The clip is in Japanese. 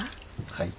はい。